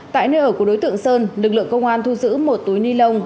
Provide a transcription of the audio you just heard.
tại nơi ở của đối tượng sơn lực lượng công an thu giữ một túi ni lông